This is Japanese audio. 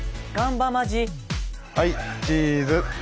はいチーズ！